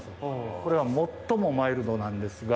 これは最もマイルドなんですが。